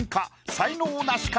才能ナシか？